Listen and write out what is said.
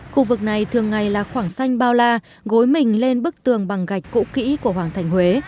khu vực này thường ngày là khoảng xanh bao la gối mình lên bức tường bằng gạch cụ kỹ của hoàng thành huế